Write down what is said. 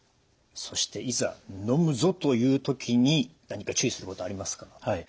そして「いざのむぞ」という時に何か注意することありますか？